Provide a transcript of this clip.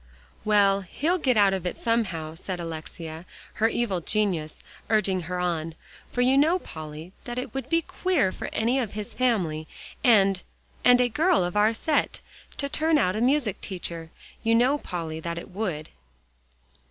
"Well, he'll get out of it somehow," said Alexia, her evil genius urging her on, "for you know, Polly, it would be too queer for any of his family, and and a girl of our set, to turn out a music teacher. You know, Polly, that it would."